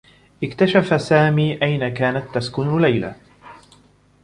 اكتشف سامي أين كانت تسكن ليلى.